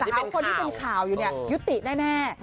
หาว่าคนที่เป็นข่าวอยู่เนี่ยยุติแน่